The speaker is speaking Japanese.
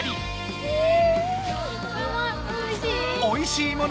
おいしい？